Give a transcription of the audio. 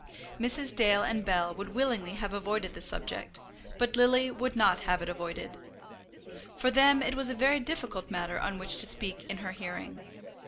Mrs. Dale and Bell would willingly have avoided the subject, but Lily would not have it avoided. For them it was a very difficult matter on which to speak in her hearing.